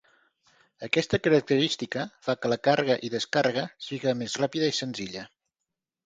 Aquesta característica fa que la càrrega i descàrrega siga més ràpida i senzilla.